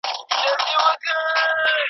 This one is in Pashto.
توبه ګاره له توبې یم، پر مغان غزل لیکمه